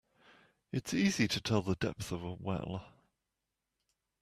It's easy to tell the depth of a well.